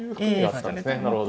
なるほど。